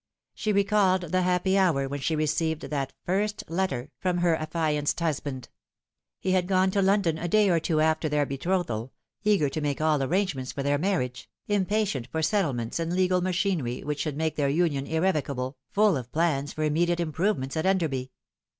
She recalled the happy hour when she received that first letter from her affianced husband. He had gone to London a day or two after their betrothal, eager to make all arrangements for their marriage, impatient for settlements and legal machinery which should make their union irrevocable, full of plans for immediate improvements at Enderby.